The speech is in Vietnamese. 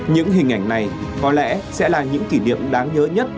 những hình ảnh này có lẽ sẽ là những kỷ niệm đáng nhớ nhất